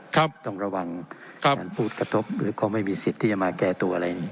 ครับต้องระวังครับการพูดกระทบหรือก็ไม่มีสิทธิ์ที่จะมาแก่ตัวอะไร